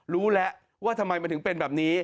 รู้แล้วว่าทำไมมันถึงเป็นแบบนี้